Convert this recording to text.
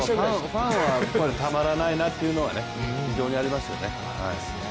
ファンはたまらないなっていうのは非常にありますよね。